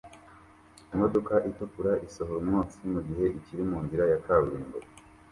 Imodoka itukura isohora umwotsi mugihe kiri munzira ya kaburimbo